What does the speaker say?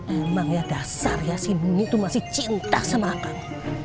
emang ya dasar ya si nuni tuh masih cinta sama akang